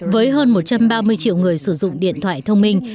với hơn một trăm ba mươi triệu người sử dụng điện thoại thông minh